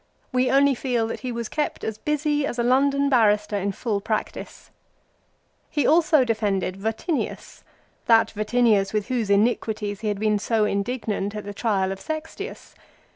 We only feel that he was kept as busy as a London barrister in full practice. He also defended Vatinius, that Vatinius with whose iniquities he had been so indignant at the trial of Sextius.